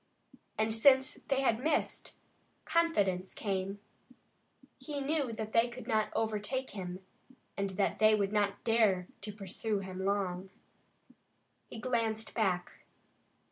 And since they had missed, confidence came. He knew that they could not overtake him, and they would not dare to pursue him long. He glanced back.